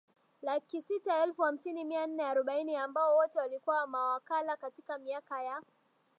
laki sita elfu hamsini mia nne arobaini ambao wote walikuwa mawakala Katika miaka ya